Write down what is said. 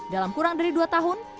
dalam kurang dari dua tahun